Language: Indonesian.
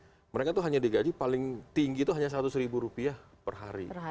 jadi mereka itu hanya digaji paling tinggi itu hanya seratus ribu rupiah per hari